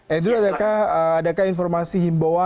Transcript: andrew adakah informasi himbawan atau apa